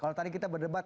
kalau tadi kita berdebat